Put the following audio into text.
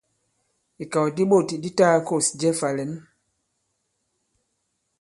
Ìkàw di bôt di ta-gā-kôs jɛ fā-lɛ̌n.